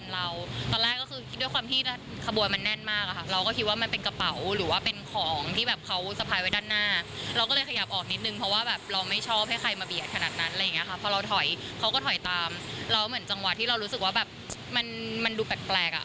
เราก็เลยก้มลงเหมือนแบบคือเราจะด่าแล้วแหละจริงแล้วค่ะ